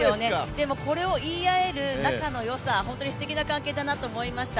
でもこれを言い合える仲の良さ、本当にすてきな関係だなと思いました。